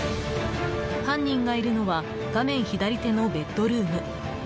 犯人がいるのは画面左手のベッドルーム。